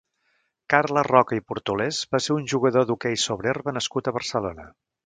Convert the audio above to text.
Carles Roca i Portolés va ser un jugador d'hoquei sobre herba nascut a Barcelona.